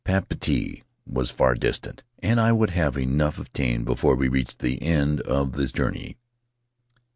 Papeete was far distant, and I would have enough of Tane before we reached the end of the journey.